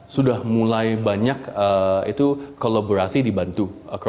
sudah mulai banyak itu kolaborasi dibantu